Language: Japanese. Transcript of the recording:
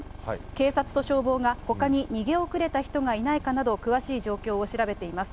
警察と消防が、ほかに逃げ遅れた人がいないかなど、詳しい状況を調べています。